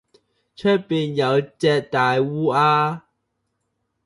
出面有只大鴉烏